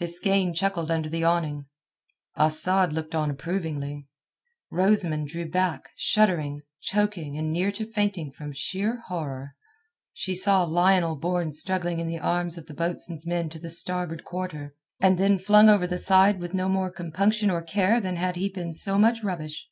Biskaine chuckled under the awning, Asad looked on approvingly, Rosamund drew back, shuddering, choking, and near to fainting from sheer horror. She saw Lionel borne struggling in the arms of the boatswain's men to the starboard quarter, and flung over the side with no more compunction or care than had he been so much rubbish.